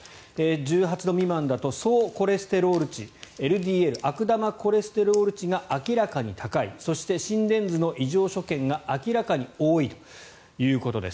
１８度未満だと総コレステロール値ＬＤＬ・悪玉コレステロール値が明らかに高いそして、心電図の異常所見が明らかに多いということです。